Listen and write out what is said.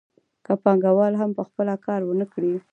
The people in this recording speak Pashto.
که پانګوال هم په خپله کار ونه کړي